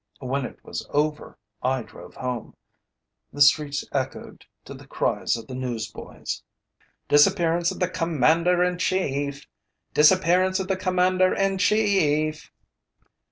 When it was over I drove home. The streets echoed to the cries of the newsboys: "DISAPPEARANCE OF THE COMMANDER IN CHIEF! DISAPPEARANCE OF THE COMMANDER IN CHIEF!"